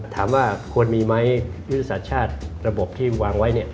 ถามว่าควรมีไหมวิทยุธชาติระบบที่วางไว้เนี่ย